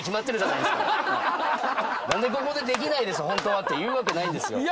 何でここで「できないですホントは」って言うわけないんですよ。